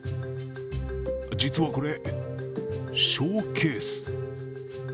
実はこれ、ショーケース。